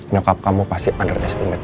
nyokap kamu pasti under estimate